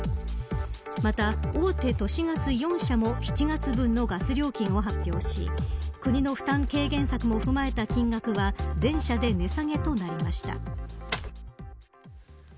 また、大手都市ガス４社も７月分のガス料金を発表し国の負担軽減策も踏まえた金額は全社で値下げとなりました。